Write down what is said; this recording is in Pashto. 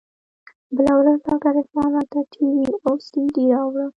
بله ورځ ډاکتر عرفان راته ټي وي او سي ډي راوړه.